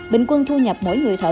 bình quân thu nhập mỗi người thợ